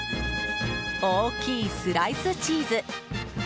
大きいスライスチーズ。